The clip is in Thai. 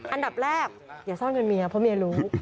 อันดับแรกอย่าซ่อนเงินเมียเพราะเมียรู้